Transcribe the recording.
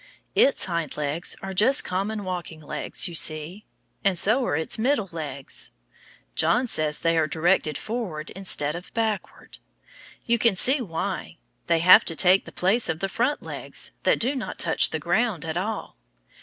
Its hind legs are just common walking legs, you see. And so are its middle legs. John says they are directed forward instead of backward. You can see why. They have to take the place of the front legs, that do not touch the ground at all.